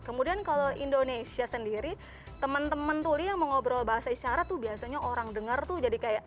kemudian kalau indonesia sendiri teman teman tuli yang mengobrol bahasa isyarat tuh biasanya orang dengar tuh jadi kayak